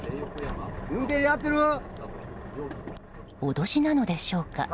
脅しなのでしょうか。